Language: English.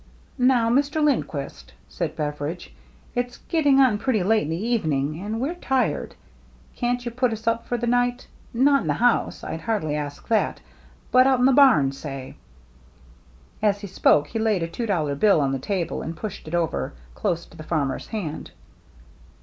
" Now, Mr. Lindquist," said Beveridge, " it's getting on pretty late in the evening, and we're tired. Can't you put us up for the night? Not in the house — I'd hardly ask that — but out in the barn, say ?" As he spoke he laid a two dollar bill on the table and pushed it over close to the farmer's hand.